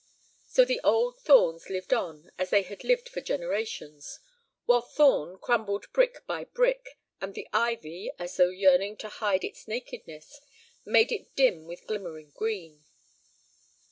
So the old thorns lived on as they had lived for generations, while "Thorn" crumbled brick by brick, and the ivy, as though yearning to hide its nakedness, made it dim with glimmering green.